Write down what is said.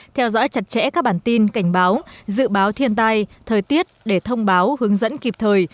theo dõi chặt chẽ các bản tin cảnh báo dự báo thiên tai thời tiết để thông báo hướng dẫn kịp thời